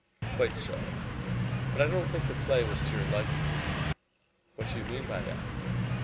"Quite so. But I don't think the play was to your liking." "What do you mean by that?"